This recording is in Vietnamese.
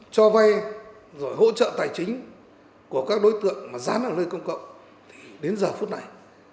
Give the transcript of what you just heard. cho vai hỗ trợ tài chính của các đối tượng mà rán ở nơi công cộng đến giờ phút này